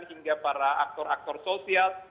hingga para aktor aktor sosial